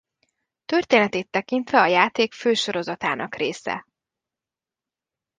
Történetét tekintve a játék fő sorozatának része.